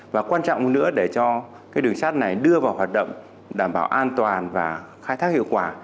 và quan trọng nữa để cho cái đường sát này đưa vào hoạt động đảm bảo an toàn và khai thác hiệu quả